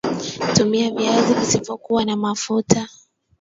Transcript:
Tumia viazi visivyokua na mafuta